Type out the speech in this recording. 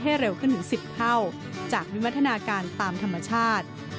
เร็วขึ้นถึง๑๐เท่าจากวิวัฒนาการตามธรรมชาติ